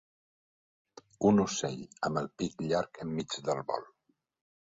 Un ocel amb el pic llarg enmig del vol.